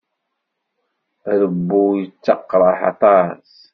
Rebbu yettaqraḥ aṭas.